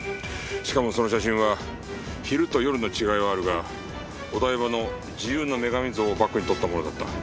しかもその写真は昼と夜の違いはあるがお台場の自由の女神像をバックに撮ったものだった。